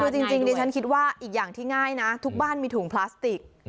คือจริงดิฉันคิดว่าอีกอย่างที่ง่ายนะทุกบ้านมีถุงพลาสติก